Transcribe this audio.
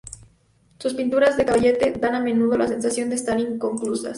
Sus pinturas de caballete dan a menudo la sensación de estar inconclusas.